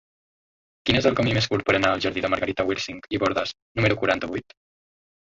Quin és el camí més curt per anar al jardí de Margarita Wirsing i Bordas número quaranta-vuit?